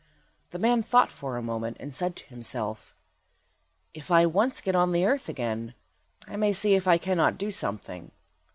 The man thought for a moment, and said to himself— "If I once get on the earth again, I may see if I cannot do something."